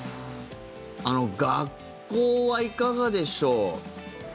学校はいかがでしょう？